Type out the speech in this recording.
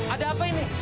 ada apa ini